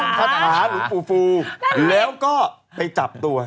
ต้องคาถาหลุงปู่แล้วก็ไปจับตัว